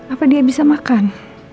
apa dia bisa makan